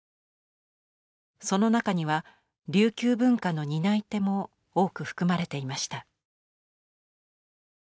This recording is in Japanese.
その中には琉球文化の担い手も多く含まれていました。